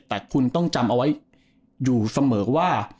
แต่คุณต้องจำเอาไว้อยู่เสมอว่า